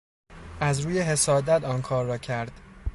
از روی حسادت آن کار را کرد.